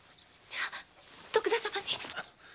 じゃ徳田様に。